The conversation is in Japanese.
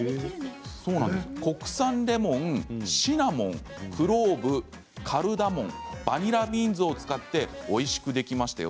国産レモン、シナモンクローブ、カルダモンバニラビーンズを使っておいしくできましたよ。